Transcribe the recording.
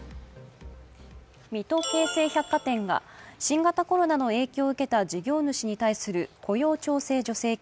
水戸京成百貨店が新型コロナの影響を受けた事業主に対する雇用調整助成金